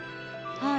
はい。